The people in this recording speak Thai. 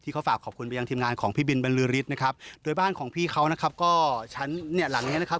เขาฝากขอบคุณไปยังทีมงานของพี่บินบรรลือฤทธิ์นะครับโดยบ้านของพี่เขานะครับก็ชั้นเนี่ยหลังเนี้ยนะครับ